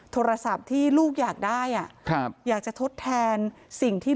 โทรศัพท์ที่ลูกอยากได้อ่ะครับอยากจะทดแทนสิ่งที่